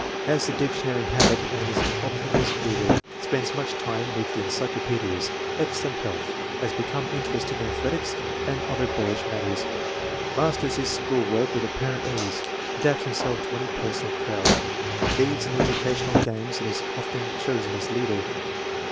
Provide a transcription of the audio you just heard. Has the dictionary habit, and is an omnivorous reader. Spends much time with encyclo pedias. Excellent health. Has become interested in athletics and other boyish matters. Masters his school work with apparent ease. Adapts himself to any person or crowd. Leads in educational games and is often chosen as leader.